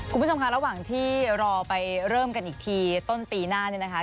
คุณผู้ชมค่ะระหว่างที่รอไปเริ่มกันอีกทีต้นปีหน้าเนี่ยนะคะ